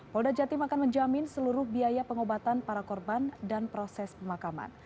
polda jatim akan menjamin seluruh biaya pengobatan para korban dan proses pemakaman